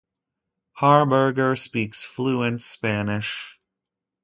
Harberger speaks fluent Spanish.